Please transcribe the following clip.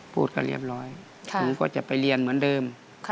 พูดก็เรียบร้อยถึงก็จะไปเรียนเหมือนเดิม